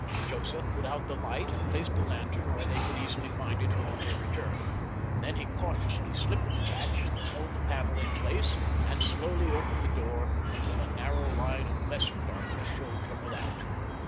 Joseph put out the light and placed the lantern where they could easily find it upon their return. Then he cautiously slipped the catch that held the panel in place and slowly opened the door until a narrow line of lesser darkness showed from without.